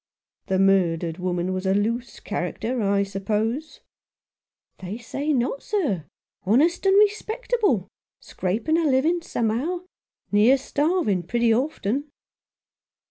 "The murdered woman was a loose character, I suppose ?" "They say not, sir — honest and respectable — scraping a living somehow — near starving pretty often."